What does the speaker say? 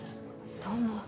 どうも。